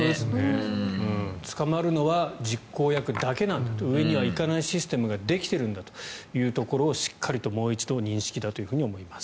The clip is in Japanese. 捕まるのは実行役だけ上には行かないシステムができているということをしっかりともう一度認識だと思います。